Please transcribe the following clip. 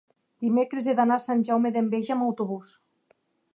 dimecres he d'anar a Sant Jaume d'Enveja amb autobús.